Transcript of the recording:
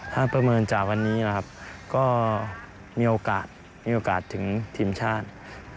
ถ้าเป็นมือนจากวันนี้ก็มีโอกาสมีโอกาสถึงทีมชาติ